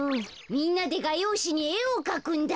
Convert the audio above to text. みんなでがようしにえをかくんだ。